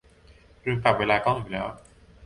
ลืมปรับเวลากล้องอีกแล้ว